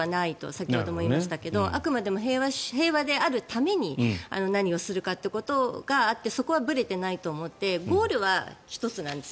先ほども言いましたけどあくまでも平和であるために何をするかっていうことがあってそこはぶれていないと思ってゴールは１つなんです。